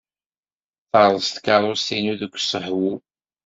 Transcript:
Terreẓ tkeṛṛust-nni deg usehwu.